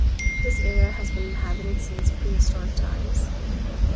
This area has been inhabited since prehistoric times.